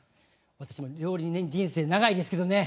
私も料理人人生長いですけどね